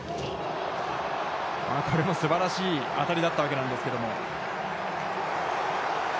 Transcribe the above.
当たりもすばらしい当たりだったわけですけれども。